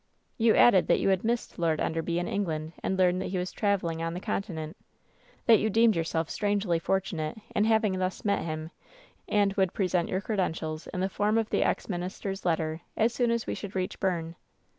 You added that you had missed Lord Enderby in England and learned that he was traveling on the Continent; that you deemed yourself strangely fortunate in having thus met him, and would present your credentials in the form of the ex minister's letter, as soon as we should reach Berne.